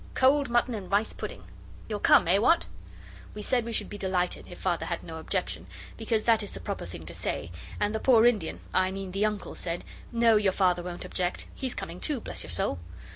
Cold mutton and rice pudding. You'll come? Eh! what?' We said we should be delighted, if Father had no objection, because that is the proper thing to say, and the poor Indian, I mean the Uncle, said, 'No, your Father won't object he's coming too, bless your soul!